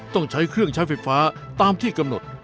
ต้องใช้เครื่องใช้ไฟฟ้าตามที่กำหนด